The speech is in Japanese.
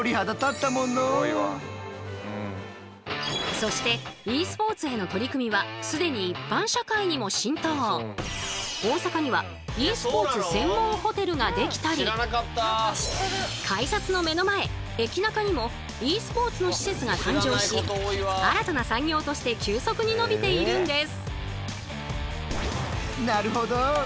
そしてｅスポーツへの取り組みは既に大阪にはｅスポーツ専門ホテルができたり改札の目の前駅ナカにもｅスポーツの施設が誕生し新たな産業として急速に伸びているんです。